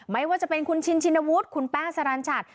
ไม่ว่าจะเป็นคุณชินชินวุฒิคุณแป้งสรรชัด